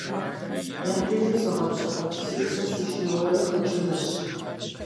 Нэхъ жыжьэӀуэу сыгъэпщкӀу, си псэр сышынэурэ хэкӀынущ.